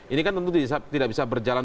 ini kan tentu tidak bisa berjalan